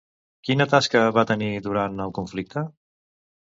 Quina tasca va tenir, durant el conflicte?